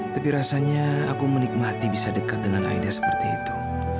tapi rasanya aku menikmati bisa dekat dengan aida seperti itu